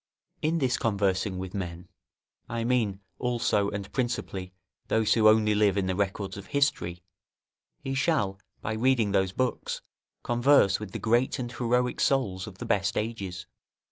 In this conversing with men, I mean also, and principally, those who only live in the records of history; he shall, by reading those books, converse with the great and heroic souls of the best ages.